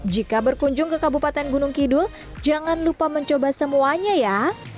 jika berkunjung ke kabupaten gunung kidul jangan lupa mencoba semuanya ya